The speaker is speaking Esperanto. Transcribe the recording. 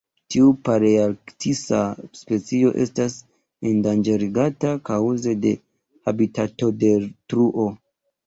Tiu palearktisa specio estas endanĝerigata kaŭze de habitatodetruo.